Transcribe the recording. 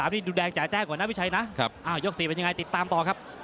ยกที่๓ดูแดงแจ้งกว่าน้ำพิชัยนะยก๔เป็นยังไงติดตามต่อครับ